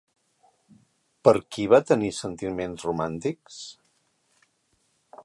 Per qui va tenir sentiments romàntics?